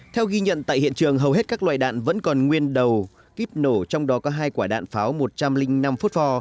theo ghi nhận tại hiện trường hầu hết các loại đạn vẫn còn nguyên đầu kíp nổ trong đó có hai quả đạn pháo một trăm linh năm phút vò